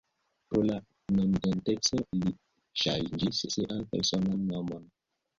Pro la nomidenteco li ŝanĝis sian personan nomon.